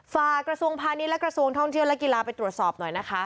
กระทรวงพาณิชย์และกระทรวงท่องเที่ยวและกีฬาไปตรวจสอบหน่อยนะคะ